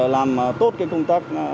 làm tốt công tác